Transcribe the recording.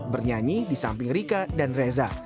bernyanyi di samping rika dan reza